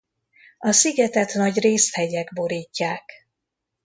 A szigetet nagyrészt hegyek borítják.